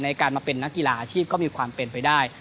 ในการมาเป็นนักกีฬาอาชีพก็มีความเป็นไปได้